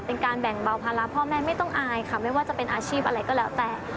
เป็นการแบ่งเบาภาระพ่อแม่ไม่ต้องอายค่ะไม่ว่าจะเป็นอาชีพอะไรก็แล้วแต่